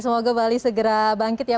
semoga bali segera bangkit ya